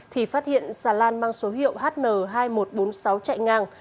thì phát hiện xà lan mang số hiệu hn hai nghìn một trăm bốn mươi sáu chạy ngang